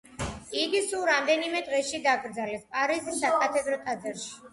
იგი სულ რამდენიმე დღეში დაკრძალეს პარიზის საკათედრო ტაძარში.